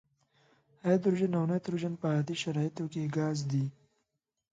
هایدروجن او نایتروجن په عادي شرایطو کې ګاز دي.